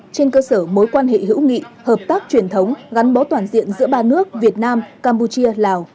trên cơ sở mối quan hệ hữu nghị hợp tác truyền thống gắn bó toàn diện giữa ba nước việt nam campuchia lào